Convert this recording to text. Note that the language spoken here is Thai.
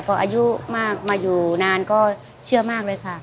พออายุมากมาอยู่นานก็เชื่อมากเลยค่ะ